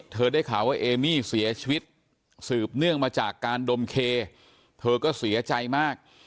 ได้ข่าวว่าเอมี่เสียชีวิตสืบเนื่องมาจากการดมเคเธอก็เสียใจมาก